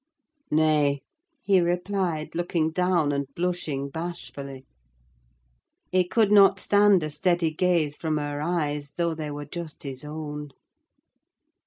"Nay," he replied, looking down, and blushing bashfully. He could not stand a steady gaze from her eyes, though they were just his own.